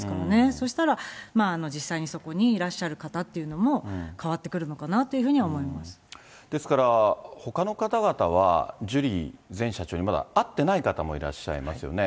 そうしたら、実際にそこにいらっしゃる方っていうのも変わってくですから、ほかの方々は、ジュリー前社長に会ってない方もいらっしゃいますよね。